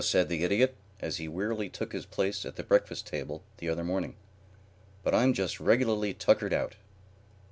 said the Idiot, as he wearily took his place at the breakfast table the other morning, "but I'm just regularly tuckered out."